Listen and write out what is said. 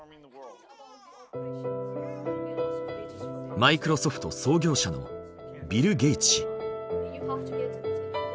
マイクロソフト創業者のビル・ゲイツ氏。